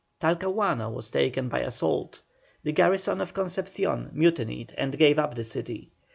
Talcahuano was taken by assault; the garrison of Concepcion mutinied and gave up the city.